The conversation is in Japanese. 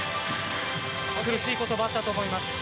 苦しいこともあったと思います。